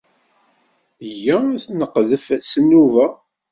Yya ad nqeddef s nnuba.